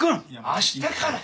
明日からや！